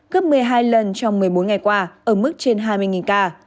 gấp một mươi hai lần trong một mươi bốn ngày qua ở mức trên hai mươi ca